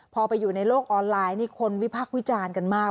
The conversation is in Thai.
พอไปอยู่ในโลกออนไลน์นี่คนวิพักษ์วิจารณ์กันมาก